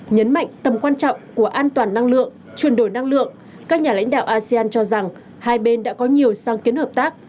nhấn mạnh tầm quan trọng của an toàn năng lượng chuyển đổi năng lượng các nhà lãnh đạo asean cho rằng hai bên đã có nhiều sáng kiến hợp tác